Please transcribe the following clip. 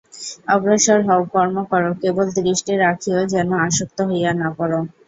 অগ্রসর হও, কর্ম কর, কেবল দৃষ্টি রাখিও যেন আসক্ত হইয়া না পড়।